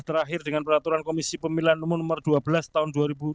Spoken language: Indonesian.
terakhir dengan peraturan komisi pemilihan umum nomor dua belas tahun dua ribu dua puluh